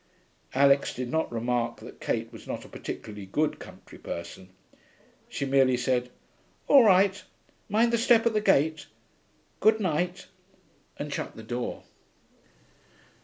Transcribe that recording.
Alix did not remark that Kate was not a particularly good country person. She merely said, 'All right.... Mind the step at the gate.... Good night,' and shut the door.